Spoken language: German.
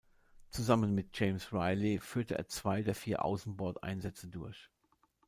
Zusammen mit James Reilly führte er zwei der vier Außenbordeinsätze durch.